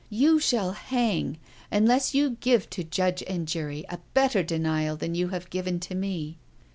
You shall hang unless you can give to judge and jury a better denial than you have given to me."